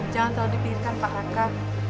jangan terlalu dipikirkan pak haka